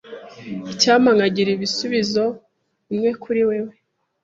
Icyampa nkagira ibisubizo bimwe kuri wewe.